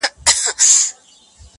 د زړه له درده شاعري کوومه ښه کوومه,